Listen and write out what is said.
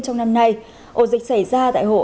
trong năm nay ổ dịch xảy ra tại hộ